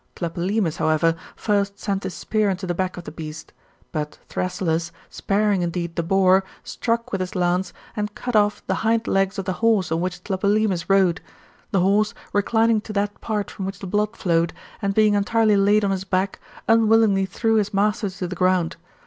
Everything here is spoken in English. Tlepolemus, however, first sent his speur into the back of the beast. But Thrasyllus, sparing, indeed, the boar, struck, with his lance, and cut off the hind legs of the horse on which Tlepolemus rode. The horse, reclining l6. that part from which the blood flowed, and being entkdy kid on his back, unwillingly threw his master to the ground.